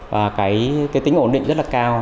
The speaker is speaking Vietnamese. và cái tính ổn định rất là cao